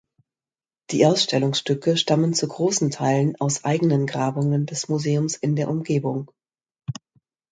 Die Ausstellungsstücke stammen zu großen Teilen aus eigenen Grabungen des Museums in der Umgebung.